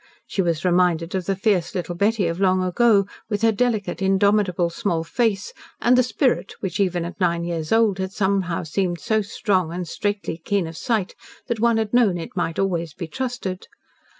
She was reminded of the fierce little Betty of long ago, with her delicate, indomitable small face and the spirit which even at nine years old had somehow seemed so strong and straitly keen of sight that one had known it might always be trusted.